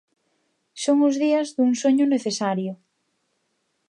Son os días dun soño necesario.